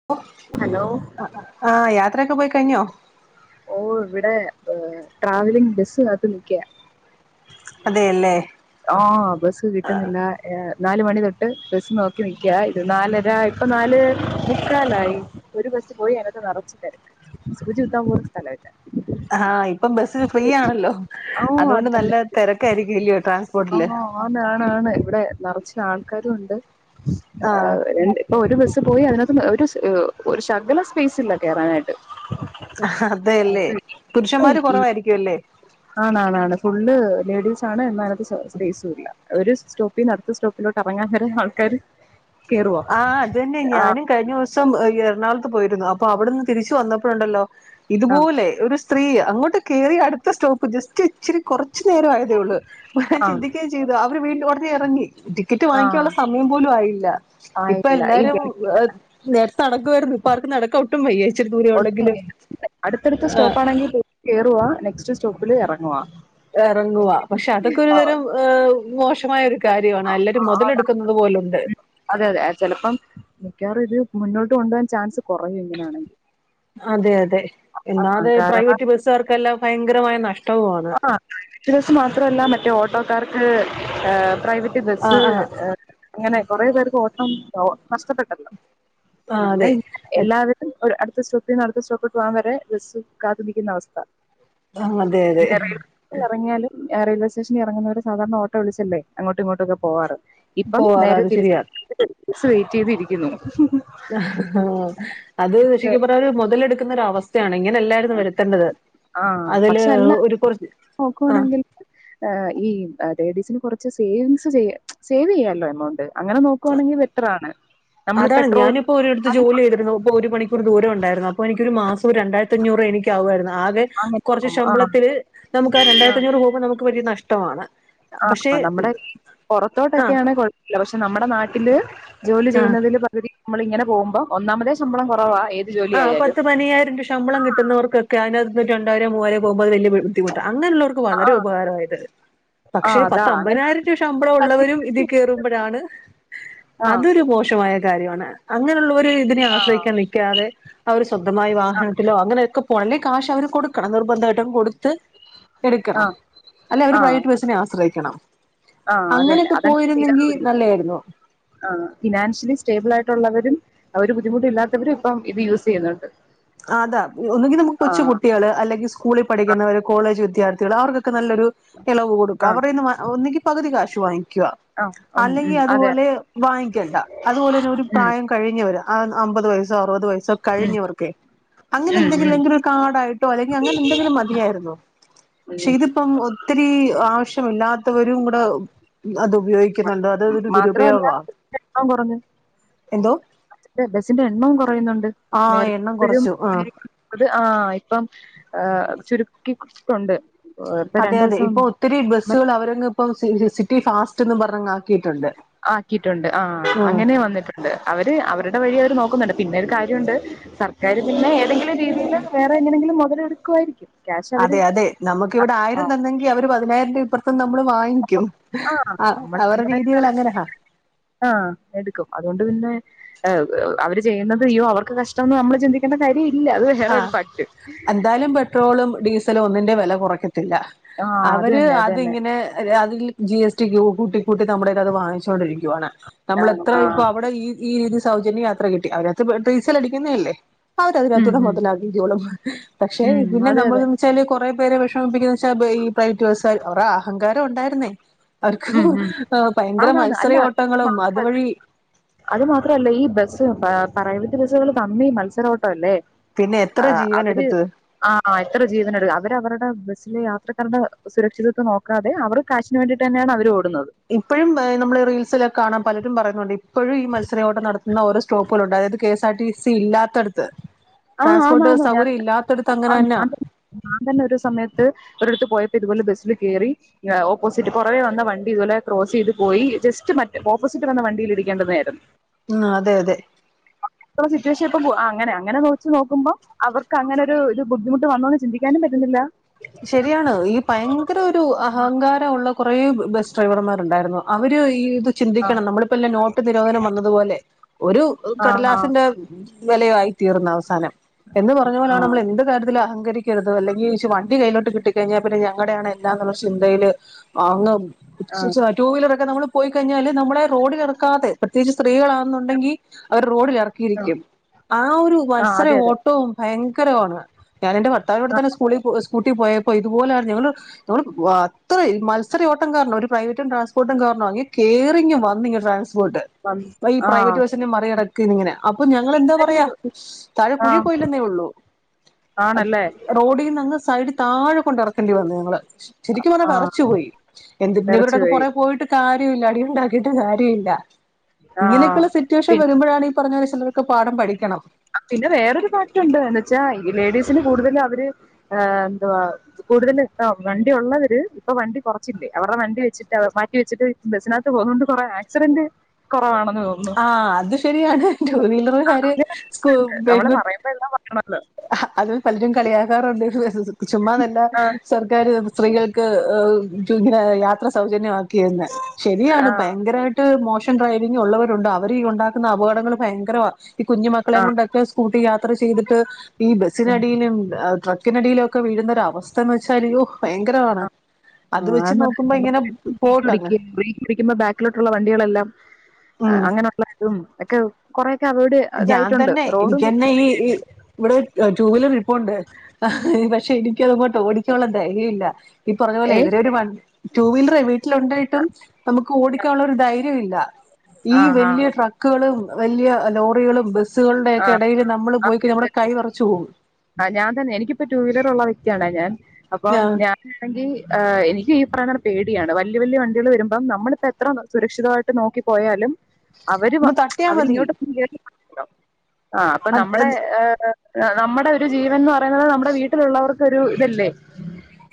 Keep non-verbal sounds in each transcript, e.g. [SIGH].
ഓഹ് hello ആ യാത്രയൊക്കെ പോയി കഴിഞ്ഞോ? ഓ ഇവിടെ ട്രാവലിംഗ് ബസ്സിനകത്ത് നിക്ക്യ. അതെയല്ലേ ആ ബസ് കിട്ടുന്നില്ല. നാല് മണി തൊട്ട് ബസ് നോക്കി നിക്ക്യ. ഇത് നാലരാ ഇപ്പൊ നാല് മുക്കാലായി. ഒരു ബസ് പോയി അതിനകത്ത് നെറച്ചു തെരക്ക്. സൂചി കുത്താൻ പോയി ആ ഇപ്പം ബസ്സ് ഫ്രീ ആണല്ലൊ. ഓ അതുകൊണ്ട് അതന്നെ നല്ല തെരക്കായിരിക്കും ഇല്യാെ ട്രാൻസ്പോർട്ടില്. ആ ആണ് ആണ് ആണ്. ഇവിടെ നറച്ച് ആൾക്കാരും ഇണ്ട് ആഹ് രണ്ട് ഇപ്പൊ ഒരു ബസ്സ് പോയി അതിനകത്ത് ഒരു ഒരു ശകല സ്പേയ്സ് ഇല്ല കേയറാനായിട്ട്. ഹ അതെല്ലെ പുരുഷന്മാര് കൊറവായിരിക്ക്യുല്ലെ. ആണാണാണ്. ഫുള്ള് ലേഡീസാണ് എന്നാലു അത് സ്പേയ്സു ഇല്ല. ഒര് സ്റ്റോ പിന്നെ അടുത്ത സ്റ്റോപ്പിലോട്ട് അറങ്ങൻ വരെ ആൾക്കാര്. കേറുവോ ആ അതന്നെ ആഹ് ഞാന്. കഴിഞ്ഞവ്സം ഈ എറണാകുളത്ത് പോയിരുന്നു. അപ്പം അവിട്ന്ന് തിരിച്ചു വന്നപ്പോഴുണ്ടല്ലോ ആഹ് ഇതുപോലെ ഒരു ത്രീ അങ്ങോട്ട് കേറി അടുത്ത സ്റ്റോപ്പ് ജസ്റ്റ് ഇച്ചിരി കൊറച്ചു നേരം ആയതെ ഒള്ള്. അപ്പൊ ഞാൻ ആഹ് ചിന്തിക്ക [UNINTELLIGIBLE] ചെയ്തു അവര് വീണ്ട് ഒടനെ എറങ്ങി. ടിക്കറ്റ് വാങ്ങിക്കാൻള്ള ആഹ് സമയം പോലും ആയില്ല. ആഹ് ഇപ്പ ഇല്ല ഈ എല്ലാരും നേര്ത്ത നടക്കാരുന്നു. ഇപ്പ ആർക്കു നടക്കാ ഒട്ടും വയ്യ. ഇച്ചിരി ദൂരേ ഉള്ളെങ്കില്. ഒട്ടും അടുത്തടുത്ത സ്റ്റോപ്പാണെങ്കി കേറുവ. നെക്സ്റ്റ് സ്റ്റോപ്പില് എറങ്ങുവാ. എറങ്ങുവാ പക്ഷെ അതൊക്കെ ഒരു തരം മോശമായ ഒരു കാര്യമാണ്. എല്ലാവരും ആ, മുതലെടുക്കുന്നത് പോലുണ്ട്. അതെ അതെ ചെലപ്പം മിക്കവാറും ഇത് മുന്നോട്ട് കൊണ്ടുപോകാൻ ചാൻസ് കൊറയും ഇങ്ങനെയാണെങ്കി അതെ അതെ ആഹ് എന്നാതെ കാരണം പ്രൈവറ്റ് ബസ്സുകാർക്കെല്ലാം ഭയങ്കരമായ നഷ്ടവു പ്രൈവറ്റ് ബസ്സ് മാത്രല്ല മറ്റേ ഓട്ടോക്കാർക്ക് പ്രൈവറ്റ് ആഹ് ബസ് ആഹ് അങ്ങനെ കൊറെ പേർക്ക് ഓട്ടം നഷ്ടപ്പെട്ടല്ലൊ. ആഹ് അതെ [UNINTELLIGIBLE] എല്ലാവരും ഒരു അടുത്ത സ്റ്റോപ്പിന്ന് അടുത്ത സ്റ്റോപ്പ് പോവാൻ വരെ ബസ്സ് കാത്ത് നിൽക്കുന്ന അവസ്ഥ ആഹ് അതെ അതെ [UNINTELLIGIBLE] ഇറെങ്ങ്യാലും റെയിൽവേ ശേഷനി എറങ്ങുന്നവരെ സാധാരണ ഓട്ടോ വിളിച്ചല്ലെ അങ്ങോട്ടും ഇങ്ങോട്ടൊക്കെ പോവാറ്. ഇപ്പം പോവാറ് നേരെ അത് തിരി ശരിയാ വെയിറ്റ് ചെയ്തിരിക്കുന്നു. ആ അത് ശെര്ക്കും പറഞ്ഞാല് [UNINTELLIGIBLE] മൊതലെടുക്കുന്നൊര് അവസ്ഥ ഇങ്ങനെ എല്ലായിരുന്നു വരുത്തെണ്ടത്. ആഹ് അതില് ഒരു കൊറച്ച് ആ ആഹ് ഈ ലേഡീസിന് കൊറച്ച് സേവിങ്സ് ചെയ്യ സേവ് ചെയ്യാള്ള എമൗണ്ട്. അങ്ങനെ നോക്ക്വാണെങ്കിൽ ബെറ്ററാണ്. നമ്മള് അതാണ് പെട്രോൾ ഞാനും [UNINTELLIGIBLE] ഇപ്പോ ഓരോട്ത്ത് ജോലി ചെയ്തിരുന്നു. ഇപ്പോ ഒരു മണിക്കൂർ ദൂരം ഉണ്ടായിരുന്നു അപ്പോ എനിക്ക് ഒരു മാസം രണ്ടായിരത്തഞ്ഞൂറ് എനിക്ക് ആവോയിരുന്നു ആകെ. അങ്ങനെ കൊറച്ച് ആഹ് ആഹ് ശമ്പളത്തില് നമുക്ക് ആ രണ്ടായിരത്തി അഞ്ഞൂറ് പോകുമ്പം നമുക്ക് വലിയ നഷ്ടമാണ്. പക്ഷെ ആഹ് നമ്മടെ പ ആഹ് പൊറത്തോട്ടൊക്കെയാണ് കുഴപ്പല്ല. പക്ഷെ നമ്മുടെ നാട്ടില് ജോലി ആഹ് ചെയ്യുന്നതില് പകുതി നമ്മള് ഇങ്ങനെ പോകുമ്പം ഒന്നാമതേ ശമ്പളം കൊറവാ ഏത് ജോലി ആ ആയാലും പത്ത് പയ്ന്നയ്യായിരം ര ശമ്പളം കിട്ടുന്നവർക്കൊക്കെ അതിനകത്ത് രണ്ടായിരം മൂവായിരം പോകുമ്പൊ അത് വെല്യ ബുദ്ധിമുട്ട അങ്ങനെ ഇള്ളവർക്ക് വളരെ ആഹ് ഉപകാരമായത്. പക്ഷെ ആഹ് അതാ പത്ത് അങ്ങനെ അമ്പതിനായിരം രൂവ ശമ്പളം ഉള്ളവരും ഇതീ കേറുമ്പഴാണ്. ആഹ് അതൊരു മോശമായൽ. കാര്യവാണ്. അങ്ങനെ ഉള്ളവര് ഇതിനെ ആഹ് ആശ്രയിക്കാൻ നിക്ക്യാതെ അവർ സ്വന്തമായി വാഹന അങ്ങനെ ഒക്കെ പ്വാൺല്ലി കാശ് അവര് കൊടുക്കണം. നിർബന്ധവായിട്ടും കൊടു ത്ത് എടുക്കണം. ആഹ് അല്ല അവര് ആഹ് പ്രൈവറ്റ് ബസിനെ ആസ്രയിക്കണം. ആഹ് അത് തന്നെ അങ്ങനെയൊക്കെ അതങ്ങനെ പോയിരുന്നെങ്കി ചെയ്യാറുമില്ല നല്ലായിരുന്നു ആഹ് ഫിനാൻഷ്യലി സ്റ്റേബിൾ ആയിട്ടുള്ളവരും അവര് ബുദ്ധിമുട്ടില്ലാത്തവരും ഇപ്പം ഇത് യൂസ് ചെയ്യുന്നുണ്ട് അതാ ഒന്നെങ്കിൽ നമുക്ക് കൊച്ചു ആഹ് കുട്ടികള് അല്ലെങ്കിൽ സ്കൂളിൽ പഠിക്കുന്നവര് കോളേജ് വിദ്യാർത്ഥികൾ അവർക്കൊക്കെ നല്ലൊരു ഇളവ് കൊടുക്കുക ആഹ് അവടെന്ന് ഒന്നങ്കി പകുതി കാശ് വാങ്ങിക്കുക ആഹ് ഉം ഉം അല്ലെങ്കിൽ അതെ അതുപോലെ വാങ്ങിക്കണ്ട അതുപോലെ തന്നെ ഒരു ഉം പ്രായം കഴിഞ്ഞവര് അമ്പത് വയസോ അറുപത് വയസ്സോ ഉം കഴിഞ്ഞവർക്കെ അങ്ങനെ ഉം ഉം എന്തെങ്കിലുംങ്കില ഒരു കാർഡായിട്ടോ അല്ലെങ്കിൽ അങ്ങനെ എന്തെങ്കിലും മതിയായിരുന്നോ പക്ഷെ ഉം ഇതിപ്പം ഒത്തിരി ആവശ്യമില്ലാത്തവരും കൂടെ അത് ഉപയോഗിക്ക മാത്രവല്ല എണം കുറഞ്ഞു എന്തോ ബസിന്റെ എണ്ണവും കുറയുന്നുണ്ട് ആ എണ്ണം നേരത്തെപ്പഴും കുറച്ചു ആ അത് ആഹ് ഇപ്പം ചുരുക്കിട്ടുണ്ട് ഇപ്പൊ അതെ രണ്ടു അതെ ദിവസം ഇപ്പൊ ഒത്തിരി ബസ്സുകൾ അവരങ്‌ ഇപ്പം സിറ്റി ഫാസ്റ്റ്ന്ന് പറഞ്ഞ ആക്കിയിട്ടുണ്ട് ആക്കിയിട്ടുണ്ട് ആഹ് ഉം അങ്ങനെ വന്നിട്ടുണ്ട് അവര് അവരുടെ വഴി അവര് നോക്കുന്നുണ്ട് പിന്നെ ഒരു കാര്യമുണ്ട് സർക്കാാര് പിന്നെ ഏതെങ്കിലും രീതിയിൽ വേറെ എങ്ങനെയെങ്കിലും മുതല് എടുക്കുവായിരിക്കും അതെ അതെ നമുക്കിവിടെ ആയിരം തന്നെങ്കി അവര് പതിനായിരം രൂപ അപ്പറത്തും നമ്മള് വാങ്ങിക്കും ആഹ് അവരുടെ രീതികൾ അങ്ങനാ ആഹ് എടുക്കും അതുകൊണ്ട് പിന്നെ അവര് ചെയ്യുന്നത് അയ്യോ അവർക്ക് കഷ്ടംമന്ന് നമ്മൾ ചിന്തിക്കേണ്ട കാര്യം ഇല്ല അത് വേറെ ആഹ് ഒരു ഫാക്ട് എന്തായാലും പെട്രോളും ഡീസലും ഒന്നിന്റെ വില കുറയ്ക്കത്തില്ല ആ അത് അവര് തന്നെ അത് തന്നെ അതിങ്ങനെ അതിൽ ജി എസ് ടി കൂട്ടി കൂട്ടി നമ്മുടെ ഇ അത് വാങ്ങിച്ചുകൊണ്ടിരിക്കുവയാണ് ആ നമ്മള എത്ര ആ ഇപ്പൊ അവിടെ ഈ ഈ രീതി സൗജന്യം യാത്ര കിട്ടി അവരത്ത് ഡീസൽ അടിക്കുന്നതല്ലേ അവ ഉം ഉം മുതലാക്കിക്കൊളം പക്ഷെ ഉം പിന്നെ അതെ അതെ നമ്മള വെച്ചാല് കുറെേ പേരെ വിഷമിപ്പിക്കുന്ന വച്ചാൽഈ പ്രൈറ്റ് വസ അവടെ അഹങ്കാരംണ്ടായിരുന്നേ അവർക്ക് ഉം ഉം ഭയങ്കര ആന്നാന്ന് മത്സര അല്ല ഓട്ടങ്ങളും മ- അതുവഴി അത് മാത്രല്ല ഈ ബസ് പ്രൈവറ്റ് ബസ്സുകൾ തമ്മി മത്സരോട്ടോ അല്ലേ പിന്നെ എത്ര ആഹ് അവര് ജീവനെടുത്ത് ആഹ് എത്ര ജീവന എടുക്കും അവര് അവരുടെ ബസ്സില് യാത്രക്കാരുടെ സുരക്ഷിത്വ നോക്കാതെ അവർ കാശിന് വേണ്ടിയിട്ട് തന്നെയാണ് അവര് ഓടുന്നത് ഇപ്പോഴും നമ്മള റീൽസിലൊകെ കാണാ പലരും പറയുന്നുണ്ട് ഇപ്പഴും ഈ മത്സരയോട്ട് നടത്തുന്ന ഒരു സ്റ്റോപ്പുകളുണ്ട് അതായത് K S R T C ഇല്ലാത്തടത്ത് ആ ട്രാൻസ്പോർട്ട് ആന്നാന്ന് ഞാൻ സൗകര്യം ഇല്ലത്തടുത്ത് ആ, അങ്ങനെ തന്നാ ഞാൻ ഞാൻ തന്നെ ഒരു സമയത്ത് ഒരിടടുത്ത് പോയപ്പോ ഇതുപോലെ ബസ്സില് കയറി ഓപ്പോസിറ്റ് പുറവേ വന്ന വണ്ടി ഇതുപലെ ക്രോസ് ചെയ്തു. പോയി ജസ്റ്റ് മറ്റ് ഓപ്പോസിറ്റ് വന്ന വണ്ടിയിൽ ഇരിക്കേണ്ടത് [UNINTELLIGIBLE] ആഹ് അതെ അതെ അത്ര സിറ്റുവേഷൻ ഇപ്പ അങ്ങനെ അങ്ങനെ നോ വച്ച് നോക്കുമ്പോൾ അവർക്ക് അങ്ങനൊരു ബുദ്ധിമുട്ട്ന്നോന്ന് ചിന്തിക്കാനും പറ്റുന്നില്ല ശരിയാണ് ഈ ഭയങ്കര ഒരു അഹങ്കാരള്ള കുറെേ ബസ് ഡ്രൈവർമാർണ്ടായിരുന്നു അവര് ഈ ഇത് ആ ചിന്തിക്കണം നമ്മളിപ്പോല്ല നോട്ട് നിരോധനം വന്നതുപോലെ ഒരു ആ ആ കടലാസിന്റെ വിലയായി തീർന്ന അവസാനം എന്ന് പറഞ്ഞ പോലാണ് ആ നമ്മൾ എന്ത് കാര്യത്തിൽ അഹങ്കരിക്കരുത് അല്ലെങ്കിൽ [UNINTELLIGIBLE] കയ്യിലോട്ട് കിട്ടിക്കഴിഞ്ഞാൽ പിന്നെ ഞങ്ങളടെയാണ് എല്ലാന്നുള്ള ചിന്തയിൽ അങ്ങ് ആഹ് ഉത് ടു വീലറക്കെ നമ്മൾ പോയി കഴിഞ്ഞ നമ്മള റോടിൽ എറക്കാതെ പ്രത്യേകിച്ച് സ്ത്രീകളാണുന്നുണ്ടെങ്കിൽ അവര് റോഡിൽ ആഹ് ഇറക്കിയിരിക്കും ആ ഒരു ആഹ് മത്സര അതെ അതെ ഏറ്റവും ഭയങ്കരമാണ് ഞാൻ എന്റെ ഭർത്താവിന്റെവിടെ തന്നെ സ്കൂള സ്കൂട്ടിയി പോയപ്പോ ഇതുപോലെയാണ് ഞങ്ങൾ [UNINTELLIGIBLE] പോയി മത്സരയോട്ടം കാരണോ ഒരു പ്രൈവറ്റും ട്രാൻസ്പോർട്ടും കാരണോ അങ്ങെ കേറിങ് വന്നിങ്ങൊ ട്രാൻസ്പോട്ട് പഈ പ്രൈവറ്റ് ആഹ് ബസിനന്റെ മറികട ക്ക്ങ്ങനെ അപ്പൊ ഞങ്ങള് എന്താ ഒരു പറയാ താഴെ കുഴി ആഹ് പോയില്ലെന്നേ ഉള്ളു ആണല്ലേ റോഡിന്നങ്‌ സൈഡ് താഴെ കൊണ്ടർക്കണ്ടി വന്നു ഞങ്ങള് ശരിക്കും പറഞ്ഞാ ആഹ് വിറച്ചു പോയി എന്ത് പിന്നെ എറച്ചി ഇവരുടെക്കെ പോയി പുറ പോയിട്ട് കാര്യമില്ല അടിണ്ടാക്കിട്ട് കാര്യ ഇല്ല ആഹ് ഇങ്ങനെയൊക്കെള്ള സിറ്റുവേഷൻ പി വരുമ്പഴാണ് ഈ പറഞ്ഞ [UNINTELLIGIBLE] ക്ക പാഠം പഠിക്കണം പിന്നെ വേറൊരു മാറ്റണ്ട് ന്നെച്ചാ ഈ ലേഡീസിന് കൂടുതൽ അവര് ഏഹ് എന്തുവാ കൂടുതല്ണ്ടാവും വണ്ടി ഉള്ളവര് ഇപ്പൊ വണ്ടി കുറച്ചില്ലേ അവരുടെ വണ്ടി വെച്ചിട്ട് മാറ്റി വെച്ചിട്ട് ബസ്സിനകത്ത് പോകുന്നോണ്ട് കുറേ ആക്സിഡന്റ് കുറവാണ് ആഹ് അത് ശരിയാണ് ട്ടൂവീലറുകാര് സ്കൂ അങ്ങനെയുണ്ട് പെൻകൊ [UNINTELLIGIBLE] അത് പലരും കളിയാക്കാറുണ്ട് ചുമ്മാ നല്ല ആഹ് സർക്കാർ സ്ത്രീകൾക്ക് തുന്നെ യാത്ര സൗജന്യമാക്കിയന്ന് ശരിയാണ് ആഹ് ഭയങ്കരവയി ട്ട് മോഷൻ ഡ്രൈവിംഗ് ഉള്ളവരുണ്ട് അവര് ഉണ്ടാക്കുന്ന അപകടങ്ങൾ ഭയങ്കരവാ ഈ കുഞ്ഞു മക്കളെ ആഹ് കൊണ്ടൊക്കെ സ്കൂട്ടി യാത്ര ചെയ്തിട്ട് ഈ ബസ്സിനടിയിലും ഏഹ് ഡ്ര ക്കിനടിയിലൊക്കെ വീഴുന്നൊര അവസ്ഥ എന്ന് വച്ചായ്യോ ഭയങ്കരമാണ് അത് വെച്ച് ആന്ന നോക്കുമ്പോ [UNINTELLIGIBLE] ഇങ്ങനെ പോട്ടങ്ങ് ബ്രേക്ക് പിടിക്കുമ്പോ ബാക്കിലോട്ടുള്ള വണ്ടികളെല്ലാം ഉം അങ്ങനെയുള്ള ഇതും ഒക്കെ കൊറേക്കെ അവൊയ്ട് ഞാൻ ഇതായിട്ടുണ്ട് തന്നെ റോഡും എനിക്കന്നെ ഈ ഈ [UNINTELLIGIBLE] ഇവിടെ ടു വീലർ ഇപ്പുണ്ട് പക്ഷെ എനിക്കത്ങ്ങോട്ട് ഓടിക്കാനുള്ള ധൈര്യല്ല ഈ പറഞ്ഞ പോലെ ഏ ഇതിരെ ഒരു വൻ ടുവീലറെ വീട്ടിലുണ്ടായിട്ടും നമുക്ക് ഓടിക്കാനുള്ള ഒരു ധൈര്യം ഇല്ല ഈ വല്യ ആഹ് ട്രക്ക് ക്കാളും വല്യ ലോറികളും ആ ബസ്സുകളുടെക്കെ ഇടയില് നമ്മള് പോയിക്കയ്ഞ നമ്മുടെ കൈ വെറച്ച് പോകു ആഹ് ഞാൻ തന്നെ എനിക്കിപ്പ ടു വീലർ ഉള്ള വ്യക്തിയണ് ഞാൻ അപ്പൊ ആ ഞ ആണെങ്കി ഏഹ് എനിക്ക് ഈ പറയുന്ന പേടിയാണ് വല്യ വല്യ വണ്ടികൾ വരുമ്പം നമ്മളിപ്പോ എത്ര സുരക്ഷിതമായി ട്ട് നോക്കിപ്പോയാലും അവര് ഒന്ന് തട്ടിയാ മതി അവരിങ്ങോട്ട് [UNINTELLIGIBLE] ആഹ് അപ്പം അത് നമ്മുടെ നമ്മുടെ ഒരു ജീവൻന്ന് പറയുന്നത് നമ്മുടെ വീട്ടിലുള്ളവർ ഒരു ഇതല്ലേ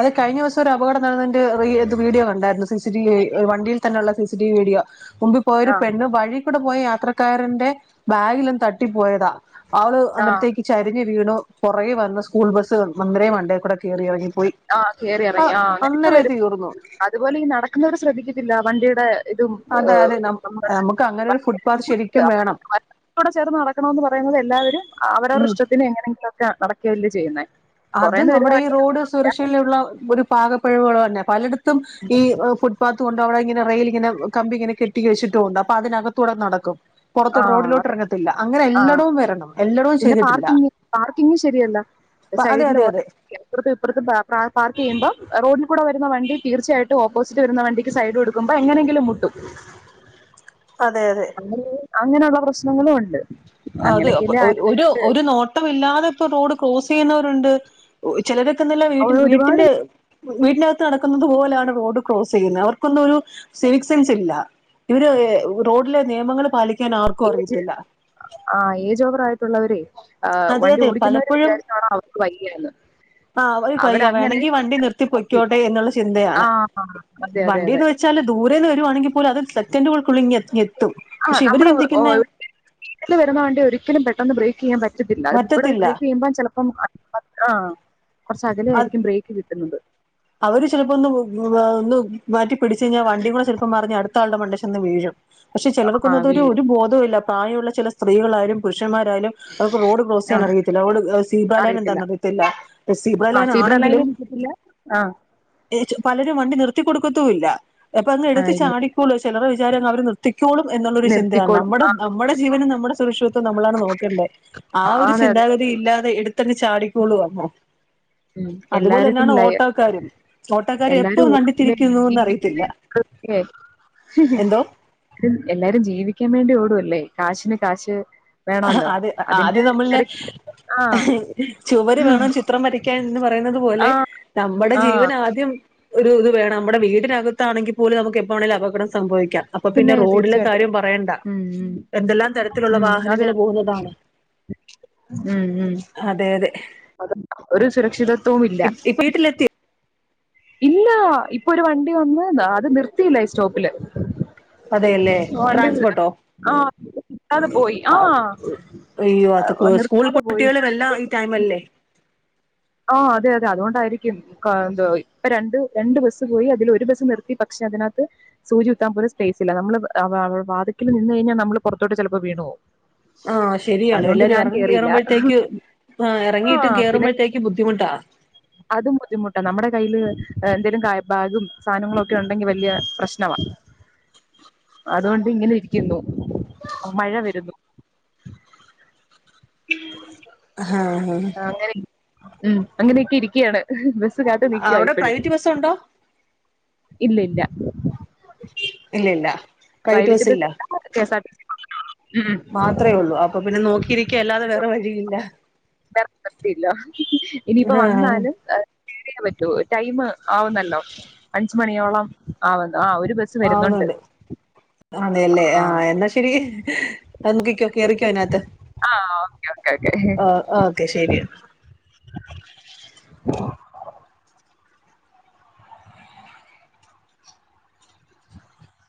അത് കഴിഞ്ഞ ദിവസം ഒര് അപകടം നടന്നതിന്റെ ഇത് വീഡിയോ കണ്ടായിരുന്നു സി സി ടിവി വണ്ടിയിൽ തന്നെയുള്ള സിസി ടി വി വീഡിയോ മുമ്പ് പോയൊരു ആ പെണ്ണ് വഴി കൂടെ പോയ യാത്രക്കാരൻന്റെ ബാഗിലന്ന് തട്ടിപ്പോയതാ അവള് ആ അന്നരത്തേക്ക് ചരിഞ് വീണു പുറകെ വന്ന സ്കൂൾ ബസ്സ് അന്നരം വണ്ടേക്കൂടെ കേറി ഇറങ്ങിപ്പോയി ആഹ് കേറി ആ ഇറങ്ങി ആഹ് അങ്ങനൊക്കെ അന്നേരം വരും തീർന്നു അതുപോലെ ഈ നടക്കുന്നവർ ശ്രദ്ധിക്കത്തില്ല വണ്ടിയുടെ ഇതും അതെ അതെ നമ്മുടെ നമുക്ക് അങ്ങനെ ഒരു ഫുട് പാത്ത് ശരിക്കും വേണം കൂടെ ചേർന്ന് നടക്ണൊണ്ട് പറയുന്നത് എല്ലാവരും ഉം അവരവര്ടെ ഷ്ടത്തിന് എങ്ങനെയെങ്കിലൊക്കെ നടക്ക്കല്ലേ ചെയ്യ്ന്നെ അത് നമ്മടെ ഈ റോഡ് സുരക്ഷയിലുള്ള ഒരു പാകപപ്പിഴവേളന്നെ പലയിട് ത്തും ഈ ഫുട്പാത് കൊണ്ട് അവിടെ യിങ്ങനെ റെയിലിങ്ങനെ കമ്പി ഇങ്ങനെ കെട്ടി കച്ചിട്ടുണ്ട് അപ്പ അതിനകത്തൂട നടക്കും ആ പുറതോട് അതെ റോഡിലോട്ടെറങ്ങത്തില്ല അങ്ങനെ ആ എല്ലാടവും വരണം എല്ലായിടവും പിന്നെ ചെയ്തിട്ടില്ല പാർക്കിങ് പാർക്കിങ്ങ് ശരിയല്ല അതെ സൈഡില് അതെ ഓ അതെ അപ്രത്തു ഇപ്രത്തു പാ പാ പാർക്കിയ്യ്മ്പം റോഡിൽ കൂടെ വരുന്ന വണ്ടി തീർച്ചയായിട്ടും ഓപ്പോസിറ്റ് വരുന്ന വണ്ടിക്ക് സൈഡ് കൊടു കുമ്പ എങ്ങനെങ്കിലും മുട്ടും അതെ അതെ അങ്ങനെ അങ്ങനൊള്ള പ്രശ്നങ്ങളും ഒണ്ട് ആഹ് അതെയോ ഒരു ഒരു നോ ട്ടവില്ലാതെ പ്പ റോഡ് ക്രോസ് ചെയ്യുന്നവരുണ്ട് ചെലരൊക്കെ ന്നലെ വീട്ടിൻ ഒരുപാട് വീട്ടില് വീടിനകത്ത് നടക്കുന്നുന്നത് പോലാണ് റോഡ് ക്രോസ് ചെയ്യുന്ന അവർക്കൊന്നും ഒരു സിവിസെൻസ് ഇല്ല ഇവര് റോഡിലെ നിയമങ്ങള് പാലിയ്ക്കാൻ ആർക്കു അറിയത്തില്ല ആഹ് ഏജ് ഓവർ ആയിട്ടുള്ളവരെ ആഹ് അതെ വണ്ടി അതെ ഓടിക്കുന്നവരെ പലപ്പോഴും വിചാരിച്ചാണോ അവർക്ക് വൈയ്യയെന്ന് ആഹ് അവ പയ്യ വേണങ്കി വണ്ടി നിർത്തി പൊയ്ക്കോട്ടെ എന്ന്ള്ള ആ ചിന്തയാണ് അതെ അതെ അതെ വണ്ടിന്ന് വെ ച്ചാല് ദൂരേന്ന് വരുവാണെങ്കി പോലും അത് സെക്കൻഡുകൾക്കുള്ളി ങ്ങേ ങ്ങെത്തും ആ പക്ഷെ ഇവര് നമ്മുടെ ചിന്തിക്കുന്നെ വീട്ടിൽ വരുന്ന വണ്ടി ഒരിക്കലും പെട്ടെന്ന് ബ്രേക്കിയ്യാമ്പറ്റത്തില്ല. ഇവിടെ പറ്റത്തില്ല ബ്രേക്കിയ്യുമ്പം ചിലപ്പം അ ആഹ് കുറച്ച് കലെ അത് ആയിരിക്കും ബ്രേക്ക് കിട്ടുന്നത് അവര് ചിലപ്പോ ഒന്ന് ഒന്ന് മാറ്റി പിടിച്ചഴിഞ്ഞാ വണ്ടി കൂടെ ചിലപ്പോ മറിഞ്ഞ് അടുത്ത ആളുടെ മണ്ടേ ചെന്ന് വീഴും പക്ഷെ ആ ചിലവക്കൊന്നതൊരു വീഴും ഒരു ബോധോവില്ല പ്രായവുള്ള ചെല സ്ത്രീകളായാലും പുരുഷന്മാരാലും അവർക്ക് റോഡ് ആ ക്രോസിയ്യാനറിയത്തില്ല. റോഡ് സീബ്രാ ലൈൻ എന്താന്ന് അറിയത്തില്ല സീബ്ര ലൈൻ ആണെങ്കിലും ഇല്ല ആഹ് പലരും വണ്ടി നിർത്തിക്കൊടുക്കത്തൂല്ല ആ അപ്പങ്ങെടുത്ത് ഇല്ല ചാടിക്കോളു ചെലരെ വിചാരങ്‌ അവര് നി ത്തിയ്ക്കോളും എന്നുള്ളൊരു ചിന്തയാണ് നിർത്തിക്കോളും നമ്മടെ ആ നമ്മടെ ജീവനും നമ്മടെ സുരക്ഷിത്വം നമ്മളാണ് നോക്കേണ്ട ആതെ അതെ ല്ലാതെ എടുത്തങ്ങ് ചാടിക്കോളൂ അങ്ങ് ഉം. എല്ലാവർക്കും അതുപോലന്നെയാണ് ലൈ- ഓട്ടോ കാരും ഓട്ടക്കാര് എപ്പം എല്ലാരും ഓടില്ലേ ജീവിക്കാൻ വണ്ടിതിരിക്കുന്നുന്നറിയത്തില്ല വേണ്ടിയേ എല്ലാരും ജീവിയ്ക്കാൻ വേണ്ടി ഓടുവല്ലേ കാശിന് കാശ് വേണമല്ലോ അത് അതിന്റെ ആദ്യം നമ്മളെ തിരക്കില് ആ ചുവര് വേണം ചിത്രം വര ക്യാ ന്ന് പറയുന്നത് പോലെ ആ നമ്മുടെ ആ ജീവനാദ്യം ഒരു ഇത് വേണം മ്മടെ വീടിനകത്താണെങ്കിപ്പോലും നമുക്ക് എപ്പ വാണെലൂ അപകടം സംഭവിക്കാം അപ്പപ്പിന്നെ പിന്നെ റോഡിലെ തീർച്ചയായിട്ടും കാര്യം പറയേണ്ട ഉം ഉം എന്തെല്ലാം തരത്തിലുള്ള ഉം വാ അതെ ആണ്ങ്ങള് പോകുന്നതാണ് അതെ അതെ അത് ഒരു സുരക്ഷിത ഇ ഇപ്പ വീട്ടിലെത്തി ഇല്ലാ ഇപ്പൊരു വണ്ടി വന്ന് അത് നിർത്തിയില്ല ഈ സ്റ്റോപ്പില് അതെയല്ലേ വണ്ടി ട്രാൻസ്പോർട്ടോ ആ നിർത്താതെ പോയി ആ ആഹ് അയ്യോ അത് സ്കൂൾ നിർത്താതെ പോയി കുട്ട്യേളെല്ലാം ഈ ടൈമല്ലേ ആഹ് അതെയതെ അതോണ്ടായിരിക്കും ക്കാ ന്തോയി ഇപ്പ രണ്ട് രണ്ട് ബസ്സ് പോയി അതിലൊരു ബസ്സ് നിർത്തി പക്ഷെ അതിനകത്ത് സൂചിക്കുത്താൻ പോലു സ്പേസില്ല നമ്മള് അവ വാതിക്കല് നിന്ന് കഴിഞ്ഞാ നമ്മള് പുറത്തോട്ട് ചെലപ്പോ വീണോവും ആഹ് ശരിയാണ് എല്ലാരും എറങ്ങി കേറിയില്ല കെയറുമ്പഴത്തേക്ക് ആഹ് ആ ഇറങ്ങിയിട്ടും പിന്നെ കേറുമ്പഴത്തേക്കും ബുദ്ധിമുട്ടാ അതും ബുദ്ധിമുട്ടാ നമ്മടെ കയ്യിന്തേലും ക ബാഗും സാധനങ്ങളൊക്കെ ഒണ്ടെങ്കിൽ വല്ല്യ പ്രശ്നവാ [INAUDIBLE] അതുകൊണ്ട് ഇങ്ങനെ ഇരിക്കുന്നു മഴ വരുന്നു [INAUDIBLE] അങ്ങനെ ഉം അങ്ങനെയൊക്കെ ഇരിക്കയാണ് ബസ് കാത്ത് നിക്കുവ അവിടെ ഇപ്പോഴും പ്രൈവറ്റ് ബസ് ഉണ്ടോ ഇല്ല ഇല്ല ഇല്ല ഇല്ല private bus K. S. R. T മാത്ര ഒള്ളൂ അപ്പൊ പിന്നെ നോക്കിയിരിക്ക അല്ലാതെ വേറെ വഴിയില്ല ഇറക്കത്തില്ല ഇനിയിപ്പ ആഹ് വന്നാലും. റിയ പറ്റോ ടൈം ആവുന്നല്ലോ അഞ്ച് മണിയോളം ആവുന്നു ആ ഒരു ബസ് വരുന്നുണ്ട് ആവുന്നുണ്ട് അതെയല്ലേ ആ ആഹ എന്നാ ശരി അ എറിക്കോ അതിനകത്ത് ആ ഓക്കെ ഓക്കെ ഓക്കെ ആ ഓക്കെ ശരിയന ഉ